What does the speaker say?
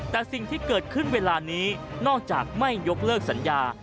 แต่สิ่งที่เกิดขึ้นเวลานี้นอกจากไม่ยกเลิกสัญญา